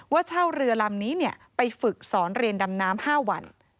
เช่าเรือลำนี้ไปฝึกสอนเรียนดำน้ำ๕วัน